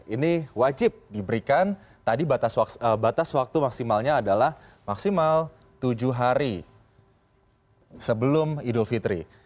ini wajib diberikan tadi batas waktu maksimalnya adalah maksimal tujuh hari sebelum idul fitri